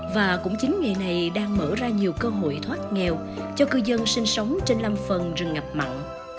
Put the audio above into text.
và cũng chính nghề này đang mở ra nhiều cơ hội thoát nghèo cho cư dân sinh sống trên lâm phần rừng ngập mặn